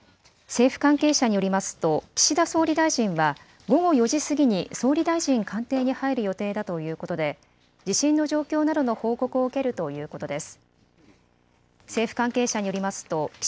政府関係者によりますと岸田総理大臣は午後４時過ぎに総理大臣官邸に入る予定だということで地震の状況などの報告を受けるということです。